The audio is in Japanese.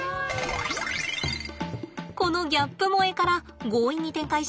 このギャップ萌えから強引に展開しよっと。